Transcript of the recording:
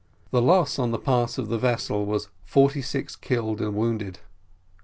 The loss on the part of the vessel was forty six killed and wounded.